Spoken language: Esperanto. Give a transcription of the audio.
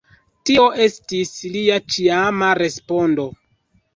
Tio estis lia ĉiama respondo.